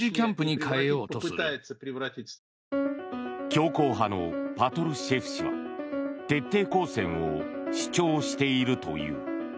強硬派のパトルシェフ氏は徹底抗戦を主張しているという。